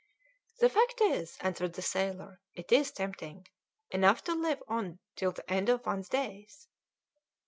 "The fact is," answered the sailor, "it is tempting; enough to live on till the end of one's days."